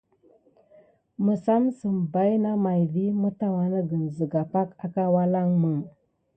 Məsamsəm baïna may mulma vi kawɗakan zəga pake akawalanmou.